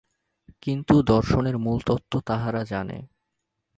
কিন্তু দর্শনের মূলতত্ত্ব তাহারা জানে।